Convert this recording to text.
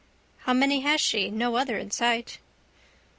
How many has she? No other in sight.